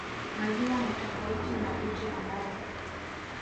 maziwa ni tofautiana na uji ambao